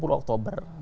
kemarin ada periode ini